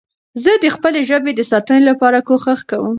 زه د خپلي ژبې د ساتنې لپاره کوښښ کوم.